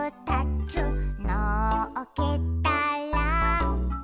「のっけたら」